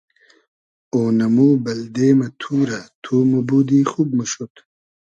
اۉنئمو بئلدې مۂ تورۂ تو موبودی خوب موشود